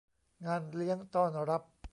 งานเลี้ยงต้อนรับ